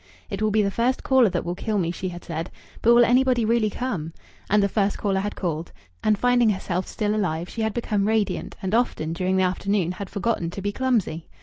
"It will be the first caller that will kill me," she had said. "But will anybody really come?" And the first caller had called. And, finding herself still alive, she had become radiant, and often during the afternoon had forgotten to be clumsy.